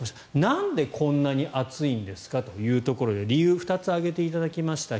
なんでこんなに暑いんですかというところで理由２つ挙げていただきました。